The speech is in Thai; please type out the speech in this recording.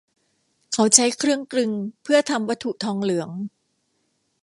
เขาใช้เครื่องกลึงเพื่อทำวัตถุทองเหลือง